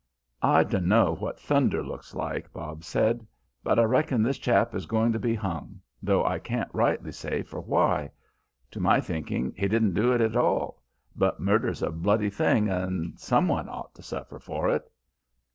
"I dunno what thunder looks like," Bob said, "but I reckon this chap is going to be hung, though I can't rightly say for why. To my thinking he didn't do it at all: but murder's a bloody thing and someone ought to suffer for it."